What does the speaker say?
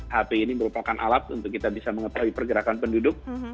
hp ini merupakan alat untuk kita bisa mengetahui pergerakan penduduk